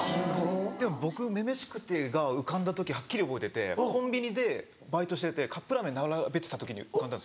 僕『女々しくて』が浮かんだ時はっきり覚えててコンビニでバイトしててカップラーメン並べてた時に浮かんだんですよ。